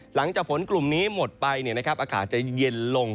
หลังจากฝนกลุ่มนี้หมดไปอากาศจะเย็นลง